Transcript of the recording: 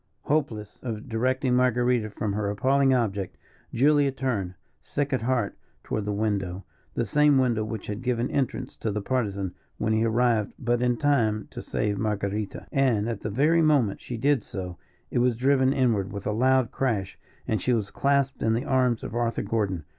Hopeless of directing Marguerita from her appalling object, Julia turned, sick at heart, toward the window the same window which had given entrance to the Partisan, when he arrived but in time to save Marguerita and at the very moment she did so, it was driven inward with a loud crash, and she was clasped in the arms of Arthur Gordon.